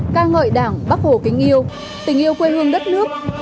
ca ngợi đảng bác hồ kính yêu tình yêu quê hương đất nước